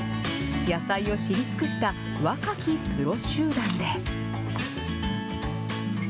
野菜を知り尽くした若きプロ集団です。